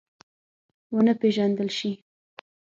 ونه پېژندل شي.